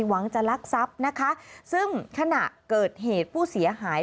หวังจะลักทรัพย์นะคะซึ่งขณะเกิดเหตุผู้เสียหาย